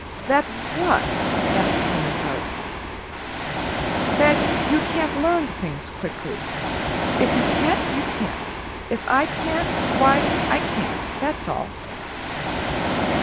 "That what?" asked Ermengarde. "That you can't learn things quickly. If you can't, you can't. If I can, why, I can that's all."